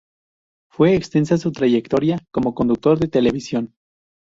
Fue extensa su trayectoria como conductor de televisión.